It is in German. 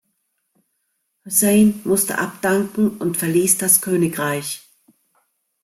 Husain musste abdanken und verließ das Königreich.